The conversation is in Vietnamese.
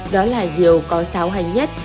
đó là diều có xáo hành nhất